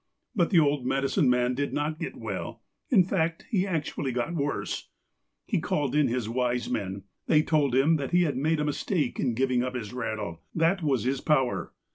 But the old medicine man did not get well. In fact, he actually got worse. He called in his wise men. They told him he had made a mistake in giving up his rattle. That was his power.